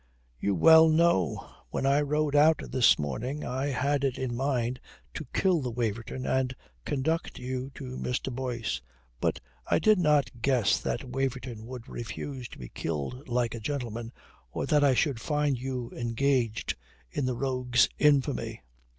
"You well know. When I rode out this morning, I had it in mind to kill the Waverton and conduct you to Mr. Boyce. But I did not guess that Waverton would refuse to be killed like a gentleman or that I should find you engaged in the rogue's infamy."